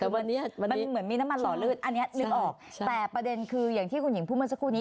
แต่วันนี้มันเหมือนมีน้ำมันหล่อลื่นอันนี้นึกออกแต่ประเด็นคืออย่างที่คุณหญิงพูดเมื่อสักครู่นี้